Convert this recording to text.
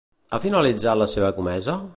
Ha finalitzat la seva comesa?